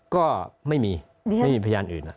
ก็ไม่มีไม่มีพยานอื่น